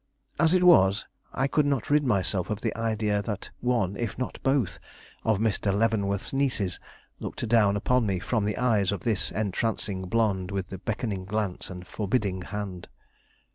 As it was, I could not rid myself of the idea that one, if not both, of Mr. Leavenworth's nieces looked down upon me from the eyes of this entrancing blonde with the beckoning glance and forbidding hand.